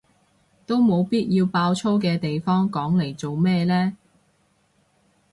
都冇必要爆粗嘅地方講嚟做咩呢？